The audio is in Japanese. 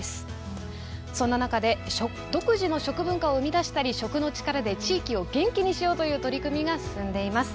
そんな中で独自の食文化を生み出したり食の力で地域を元気にしようという取り組みが進んでいます。